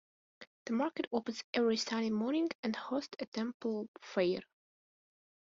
The market opens every Sunday morning and hosts a temple fair.